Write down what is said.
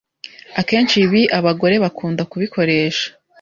Akenshi ibi abagore bakunda kubikoresha